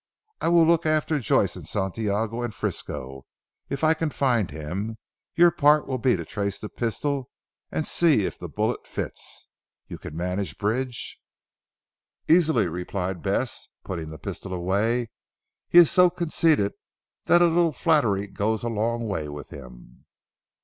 "I will look after Joyce and Santiago and Frisco if I can find him; your part will be to trace the pistol and to see if the bullet fits. You can manage Bridge?" "Easily," replied Bess, putting the pistol away, "he is so conceited that a little flattery goes a long way with him."